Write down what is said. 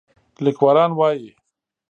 لیکوالان وايي